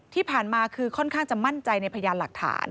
ที่ผ่านมาคือค่อนข้างจะมั่นใจในพยานหลักฐาน